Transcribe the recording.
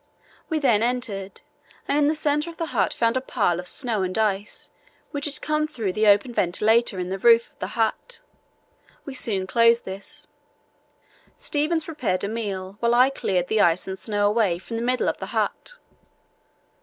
We then entered, and in the centre of the hut found a pile of snow and ice, which had come through the open ventilator in the roof of the hut. We soon closed this. Stevens prepared a meal while I cleared the ice and snow away from the middle of the hut.